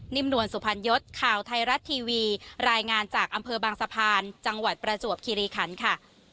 นวลสุพรรณยศข่าวไทยรัฐทีวีรายงานจากอำเภอบางสะพานจังหวัดประจวบคิริคันค่ะ